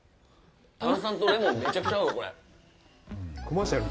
炭酸とレモンめちゃくちゃ合うわ、これ。